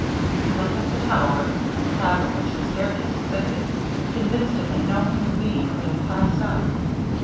He looked up the tower, and the chasm which the stair case exhibited, convinced him that no human being could have passed up.